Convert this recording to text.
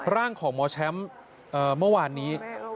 ร่างของหมอแชมป์เมื่อวานนี้